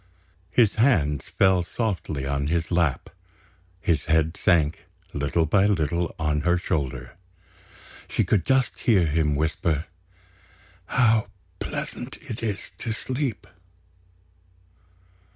His hands fell softly on his lap; his head sank little by little on her shoulder. She could just hear him whisper: "How pleasant it is to sleep!"